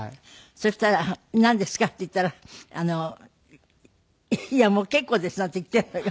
そしたら「なんですか？」って言ったら「いやもう結構です」なんて言っているのよ。